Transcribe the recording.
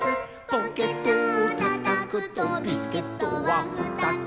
「ポケットをたたくとビスケットはふたつ」